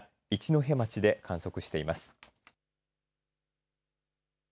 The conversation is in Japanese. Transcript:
一戸町で観測しています。